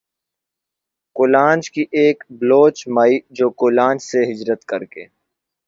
کولانچ کی ایک بلوچ مائی جو کولانچ سے ھجرت کر کے